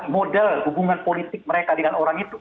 model hubungan politik mereka dengan orang itu